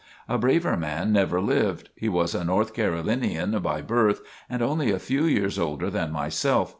A braver man never lived. He was a North Carolinian by birth, and only a few years older than myself.